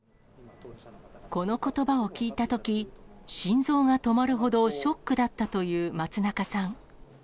このことばを聞いたとき、心臓が止まるほどショックだったという松中さん。